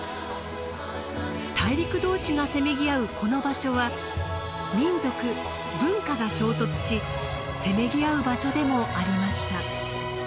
大陸同士がせめぎ合うこの場所は民族文化が衝突しせめぎ合う場所でもありました。